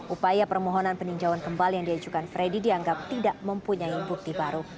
upaya permohonan peninjauan kembali yang diajukan freddy dianggap tidak mempunyai bukti baru